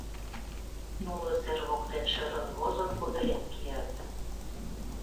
Нуно сер воктен шӧрын возын кутырен кият.